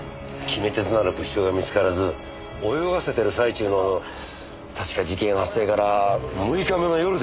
決め手となる物証が見つからず泳がせてる最中の確か事件発生から６日目の夜でした。